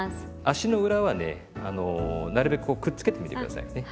足の裏はねなるべくこうくっつけてみて下さいね。